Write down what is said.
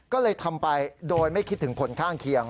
ก็เลยทำไปโดยไม่คิดถึงผลข้างเคียง